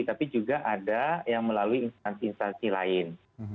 tetapi ada yang melalui instansi instansi lain